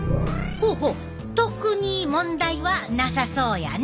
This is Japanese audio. ほうほう特に問題はなさそうやね。